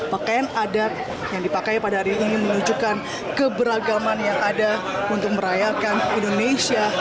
pakaian adat yang dipakai pada hari ini menunjukkan keberagaman yang ada untuk merayakan indonesia